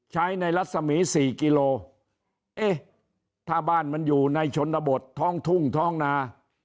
ใช้ในรัศมีสี่กิโลเอ๊ะถ้าบ้านมันอยู่ในชนบทท้องทุ่งท้องนา